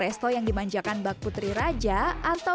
meski demikian makanannya cukup lezat